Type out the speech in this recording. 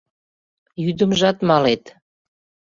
Йӱдымжат малет.